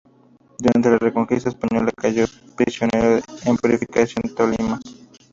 Durante la reconquista española, cayó prisionero en Purificación, Tolima.